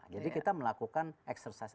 jadi kita melakukan eksersis eksersis